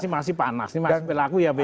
masih panas masih berlaku ya be